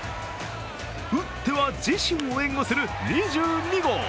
打っては自身を援護する２２号。